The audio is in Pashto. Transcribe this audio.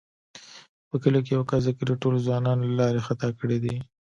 په کلي کې یوه کس د کلي ټوله ځوانان له لارې خطا کړي دي.